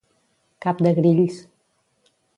Cap de grills.